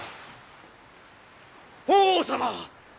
法皇様！